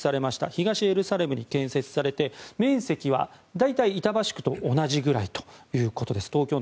東エルサレムで建設されて面積は大体、東京の板橋区と同じくらいということです。